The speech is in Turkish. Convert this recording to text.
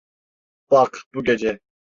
Bak bu gece.